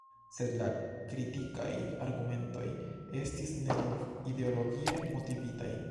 Sed la kritikaj argumentoj estis ne nur ideologie motivitaj.